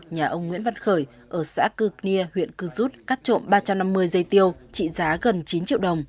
nhà ông nguyễn văn khởi ở xã cư nia huyện cư rút cắt trộm ba trăm năm mươi dây tiêu trị giá gần chín triệu đồng